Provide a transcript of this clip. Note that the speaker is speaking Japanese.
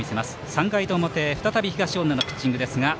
３回の表、再び東恩納のピッチングですが。